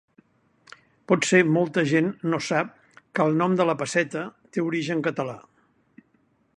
Potser molta gent no sap que el nom de la pesseta té origen català.